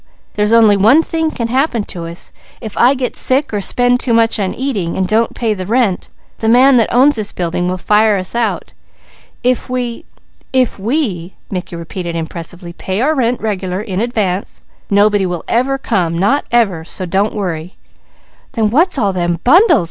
There's only one thing can happen us. If I get sick or spend too much on eating, and don't pay the rent, the man that owns this building will fire us out. If we, if we" Mickey repeated impressively, "pay our rent regular, in advance, nobody will ever come, not ever, so don't worry." "Then what's all them bundles?"